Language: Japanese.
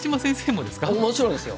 もちろんですよ。